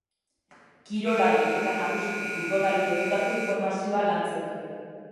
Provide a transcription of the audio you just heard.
Kirolari, eta nagusiki, futbolari lotutako informazioa lantzen du.